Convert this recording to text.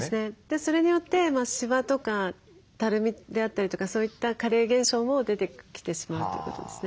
それによってしわとかたるみであったりとかそういった加齢現象も出てきてしまうということですね。